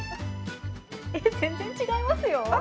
全然違いますよ。